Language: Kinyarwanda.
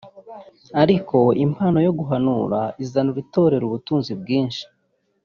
ariko impano yo guhanura izanira Itorero ubutunzi bwinshi